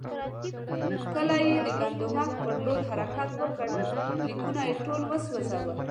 کله یې د ګندمک پر لور حرکت وکړ، لیکونه یې ټول وسوځول.